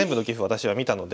私は見たので。